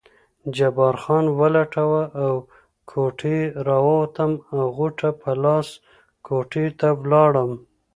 جبار خان ولټوه، له کوټې راووتم او غوټه په لاس کوټې ته ولاړم.